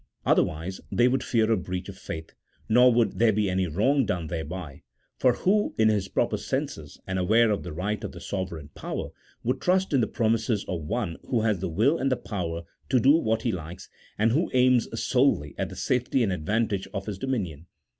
Otherwise they would fear a breach of faith, nor would there be any wrong done thereby : for who in his proper senses, and aware of the right of the sovereign power, would trust in the pro mises of one who has the will and the power to do what he likes, and who aims solely at the safety and advantage of Ins dominion